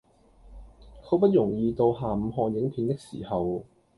好不容易到下午看影片的時候